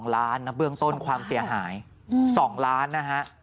๒ล้านนะเบื้องต้นความเสียหาย๒ล้านนะฮะ